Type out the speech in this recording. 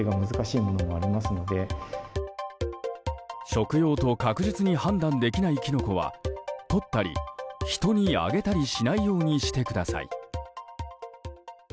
食用と確実に判断できないキノコは採ったり、人にあげたりしないようにしてください。